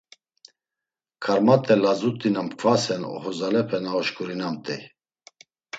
Karmat̆e lazut̆i na mkvanen oxorzalepe na oşǩurinamt̆ey.